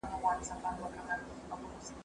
زه کښېناستل نه کوم!؟